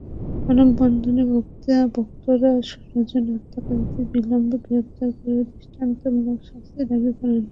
মানববন্ধনে বক্তারা রাজনের হত্যাকারীদের অবিলম্বে গ্রেপ্তার করে দৃষ্টান্তমূলক শাস্তি দাবি করেন।